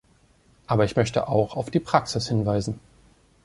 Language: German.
Aber ich möchte auch auf die Praxis hinweisen.